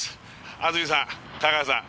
安住さん、香川さん